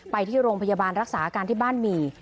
ไปที่โรงพยาบาลรักษาอาการที่บ้านหมี่